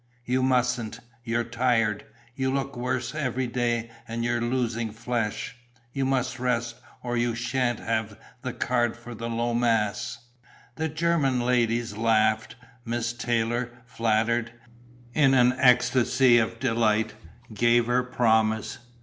"You mustn't. You're tired. You look worse every day and you're losing flesh. You must rest, or you sha'n't have the card for the low mass." The German ladies laughed. Miss Taylor, flattered, in an ecstasy of delight, gave her promise.